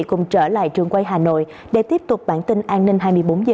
cùng trở lại trường quay hà nội để tiếp tục bản tin an ninh hai mươi bốn h